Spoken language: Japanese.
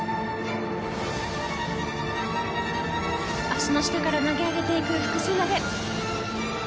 足の下から投げ上げていく複数投げ。